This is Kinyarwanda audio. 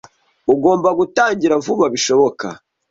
Ugomba gutangira vuba bishoboka.